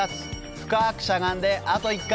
深くしゃがんであと１回。